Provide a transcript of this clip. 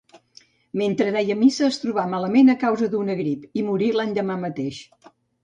Mentre deia missa es trobà malament a causa d'una grip, i morí l'endemà mateix.